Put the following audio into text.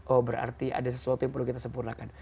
oh berarti ada sesuatu yang perlu kita sempurnakan